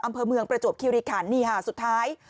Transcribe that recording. อำเภอเมืองประจวบคิริขันนี่ค่ะสุดท้าย